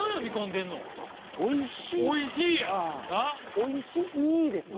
「おいしい」ですね？